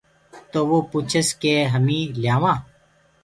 تو وو سوچس ڪي همي ليآوآنٚ